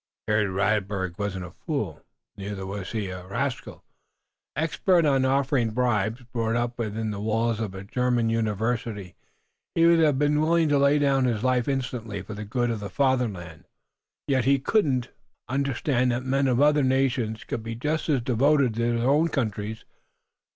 Herr Radberg wasn't a fool. Neither was he a rascal, expert in offering bribes. Brought up within the wall's of a German university, he would have been willing to lay down his life instantly for the good of the Fatherland. Yet he couldn't understand that men of other nations could be just as devoted to their own countries.